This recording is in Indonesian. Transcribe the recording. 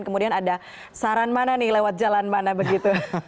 kemudian ada saran mana nih lewat jalan mana begitu